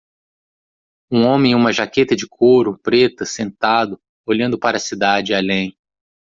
Um homem em uma jaqueta de couro preta sentado olhando para a cidade além.